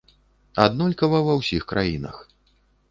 Аднолькава ва ўсіх краінах.